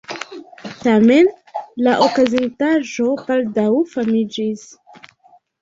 Tamen la okazintaĵo baldaŭ famiĝis.